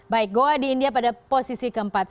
baik goa di india pada posisi keempat